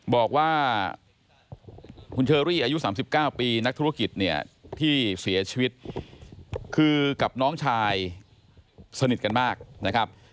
บอกว่าคุณเชอรี่อายุ๓๙ปีนักธุรกิจเนี่ยที่เสียชีวิตคือกับน้องชายสนิทกันมากนะครับ